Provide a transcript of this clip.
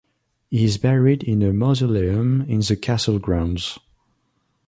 He is buried in a mausoleum in the castle grounds.